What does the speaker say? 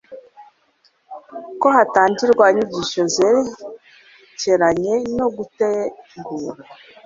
ko hatangirwa inyigisho zerekeranye no gutegura